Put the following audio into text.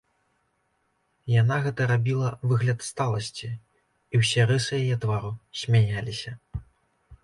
Яна гэта рабіла выгляд сталасці, і ўсе рысы яе твару смяяліся.